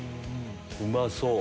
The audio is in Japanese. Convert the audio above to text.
うまそう！